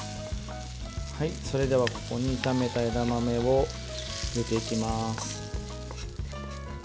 それでは、ここに炒めた枝豆を入れていきます。